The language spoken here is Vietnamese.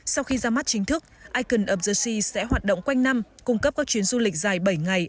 sau khi ra mắt chính thức icon of thersey sẽ hoạt động quanh năm cung cấp các chuyến du lịch dài bảy ngày